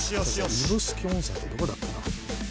指宿温泉ってどこだっけな。